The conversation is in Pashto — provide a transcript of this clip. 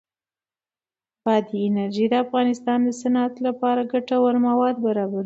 بادي انرژي د افغانستان د صنعت لپاره ګټور مواد برابروي.